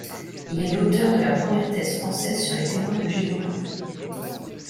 Il est l’auteur de la première thèse française sur les Témoins de Jéhovah.